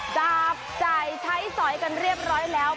จับจ่ายใช้สอยกันเรียบร้อยแล้ว